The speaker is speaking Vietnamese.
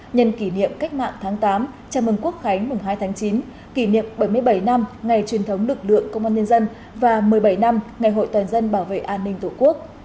nhân kỷ niệm cách mạng tháng tám chào mừng quốc khánh mùng hai tháng chín kỷ niệm bảy mươi bảy năm ngày truyền thống lực lượng công an nhân dân và một mươi bảy năm ngày hội toàn dân bảo vệ an ninh tổ quốc